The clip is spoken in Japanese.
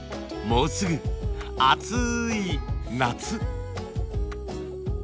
もうすぐ暑い夏。